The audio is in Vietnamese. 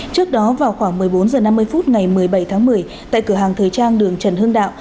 trước đó vào khoảng một mươi bốn h năm mươi phút ngày một mươi bảy tháng một mươi tại cửa hàng thời trang đường trần hương đạo